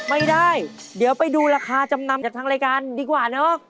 ไม่ได้เดี๋ยวไปดูราคาจำนำจากทางรายการดีกว่าเนอะ